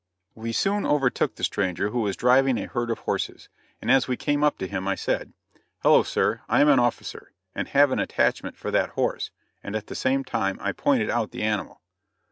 We soon overtook the stranger who was driving a herd of horses, and as we came up to him, I said: "Hello, sir; I am an officer, and have an attachment for that horse," and at the same time I pointed out the animal.